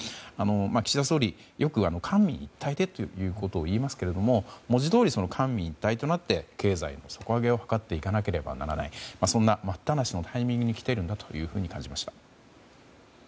岸田総理、よく官民一体でっておっしゃりますけど文字どおり官民一体となって経済の底上げを図っていかなければいけないそんな待ったなしのタイミングに来ているんだと感じました。